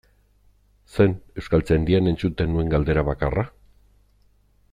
Zen Euskaltzaindian entzuten nuen galdera bakarra?